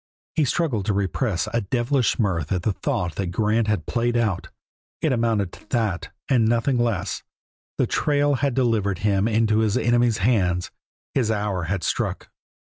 He struggled to repress a devilish mirth at the thought that Grant had played out it amounted to that and nothing less; the trail had delivered him into his enemy's hands, his hour had struck.